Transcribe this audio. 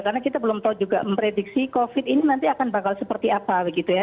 karena kita belum tahu juga memprediksi covid ini nanti akan bakal seperti apa gitu ya